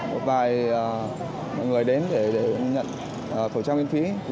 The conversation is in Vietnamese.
một vài người đến để nhận khẩu trang miễn phí